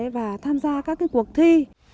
và tham gia các cuộc thi